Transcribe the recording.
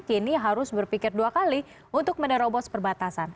kini harus berpikir dua kali untuk menerobos perbatasan